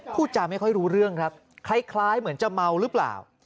พูดจาไม่ค่อยรู้เรื่องครับคล้ายเหมือนจะเมาหรือเปล่า